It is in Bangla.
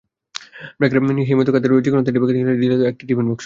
ব্র্যাকের হিমায়িত খাদ্যের যেকোনো তিনটি প্যাকেট কিনলে দেওয়া হচ্ছে একটি টিফিন বক্স।